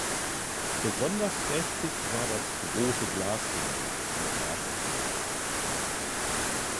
Besonders prächtig war das „Große Glasgemälde“ im Ratssaal.